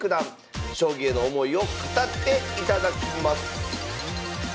将棋への思いを語っていただきます